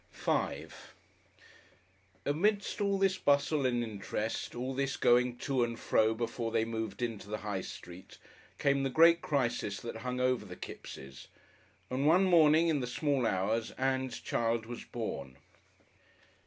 §5 Amidst all this bustle and interest, all this going to and fro before they "moved in" to the High Street, came the great crisis that hung over the Kippses, and one morning in the small hours Ann's child was born....